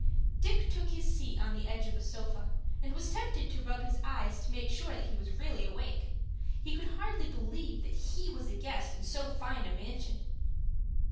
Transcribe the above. Dick took his seat on the edge of a sofa, and was tempted to rub his eyes to make sure that he was really awake. He could hardly believe that he was a guest in so fine a mansion.